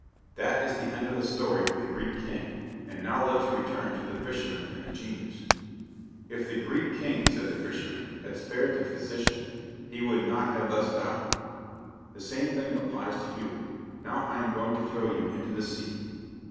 That is the end of the story of the Greek king, and now let us return to the fisherman and the genius. "If the Greek king," said the fisherman, "had spared the physician, he would not have thus died. The same thing applies to you. Now I am going to throw you into the sea."